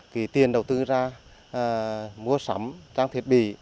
cái tiền đầu tư ra mua sắm trang thiết bị